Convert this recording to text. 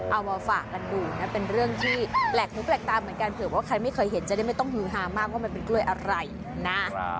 เอามาฝากกันดูนะเป็นเรื่องที่แปลกหูแปลกตาเหมือนกันเผื่อว่าใครไม่เคยเห็นจะได้ไม่ต้องฮือฮามากว่ามันเป็นกล้วยอะไรนะ